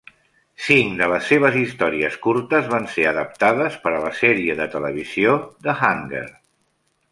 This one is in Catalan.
Cinc de les seves històries curtes van ser adaptades per a la sèrie de televisió "The Hunger".